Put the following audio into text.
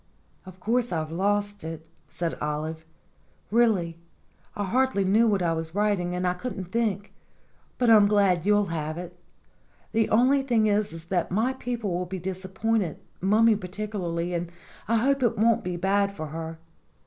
"Of course I've lost it," said Olive. "Really, I hardly knew what I was writing, and I couldn't think. But I'm glad you'll have it. The only thing is that my people will be disappointed mummy particularly; and I hope it won't be bad for her.